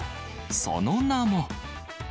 その名も。